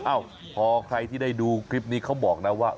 เอ้าพอใครที่ได้ดูคลิปนี้เขาบอกนะว่า